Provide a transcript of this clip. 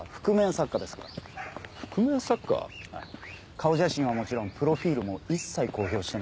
顔写真はもちろんプロフィルも一切公表してない作家さんです。